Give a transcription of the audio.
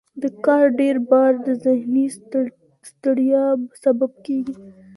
د کار ډیر بار د ذهني ستړیا سبب کېږي.